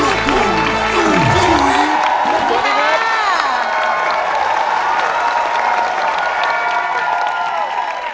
ลูกคุณสุดสุด